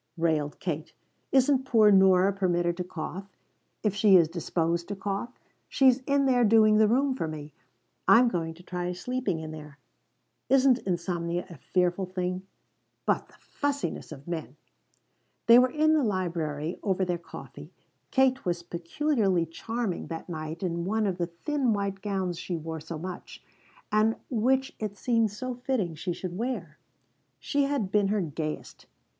railed Kate. "Isn't poor Nora permitted to cough, if she is disposed to cough? She's in there doing the room for me. I'm going to try sleeping in there isn't insomnia a fearful thing? But the fussiness of men!" They were in the library over their coffee. Kate was peculiarly charming that night in one of the thin white gowns she wore so much, and which it seemed so fitting she should wear. She had been her gayest.